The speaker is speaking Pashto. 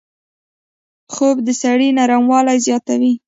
خوب د سړي نرموالی زیاتوي